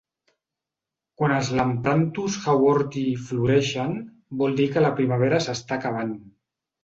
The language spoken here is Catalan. Quan els Lampranthus haworthii floreixen, vol dir que la primavera s'està acabant.